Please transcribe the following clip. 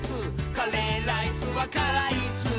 「カレーライスはからいっすー」